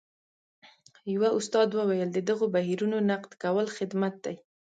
یوه استاد وویل د دغو بهیرونو نقد کول خدمت دی.